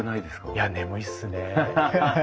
いや眠いっすね。